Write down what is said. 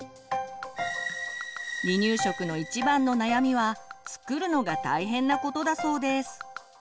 離乳食の一番の悩みは作るのが大変なことだそうです。